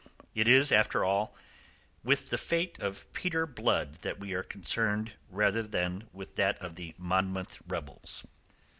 It is, after all, with the fate of Peter Blood that we are concerned rather than with that of the Monmouth rebels.